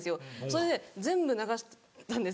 それで全部流したんですね。